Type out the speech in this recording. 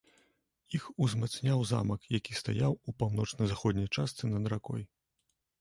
Іх узмацняў замак, які стаяў у паўночна-заходняй частцы над ракой.